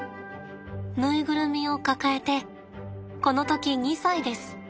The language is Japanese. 縫いぐるみを抱えてこの時２歳です。